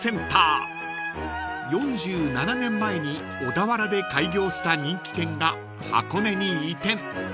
［４７年前に小田原で開業した人気店が箱根に移転］